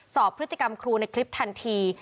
สอบพฤติกรรมครูในคลิปทันที